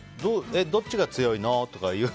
どっちが強いの？とか？